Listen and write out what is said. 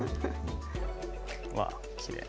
わあ、きれい。